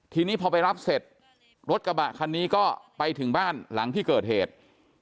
ทีนี้พอไปรับเสร็จรถกระบะคันนี้ก็ไปถึงบ้านหลังที่เกิดเหตุ